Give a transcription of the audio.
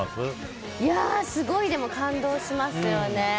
すごい感動しますよね。